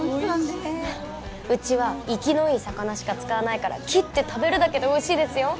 そううちは生きのいい魚しか使わないから切って食べるだけでおいしいですよ